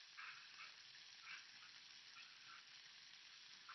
Věž je členěná na tři části.